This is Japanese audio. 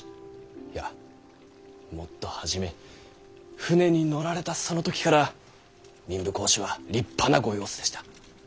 いやもっと初め船に乗られたその時から民部公子は立派なご様子でした。